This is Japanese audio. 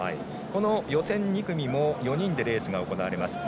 予選２組も４人でレースが行われます。